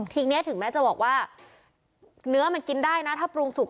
ทีนี้ถึงแม้จะบอกว่าเนื้อมันกินได้นะถ้าปรุงสุก